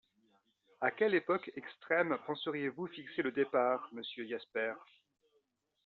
À quelle époque extrême penseriez-vous fixer le départ, monsieur Jasper?